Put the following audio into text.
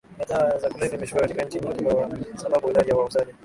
ya dawa za kulevya imeshuka katika nchi nyingi kwa sababu idadi ya wauzaji